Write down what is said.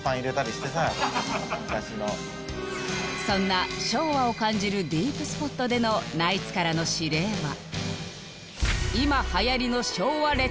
そんな昭和を感じるディープスポットでのナイツからの指令は？